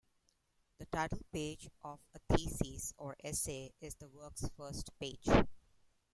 The title page of a thesis or essay is the work's first page.